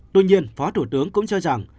tuy nhiên phó thủ tướng cũng cho rằng